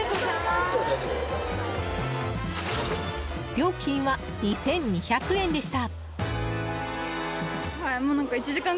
料金は２２００円でした。